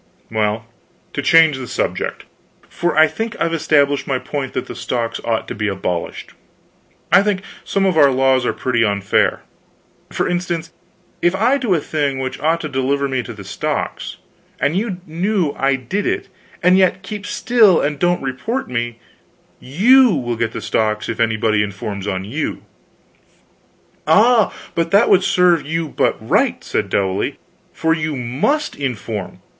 "Well, to change the subject for I think I've established my point that the stocks ought to be abolished. I think some of our laws are pretty unfair. For instance, if I do a thing which ought to deliver me to the stocks, and you know I did it and yet keep still and don't report me, you will get the stocks if anybody informs on you." "Ah, but that would serve you but right," said Dowley, "for you must inform.